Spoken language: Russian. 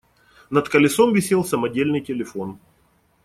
Над колесом висел самодельный телефон.